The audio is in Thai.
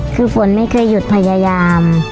คือฝนไม่เคยหยุดพยายาม